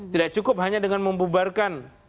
tidak cukup hanya dengan membubarkan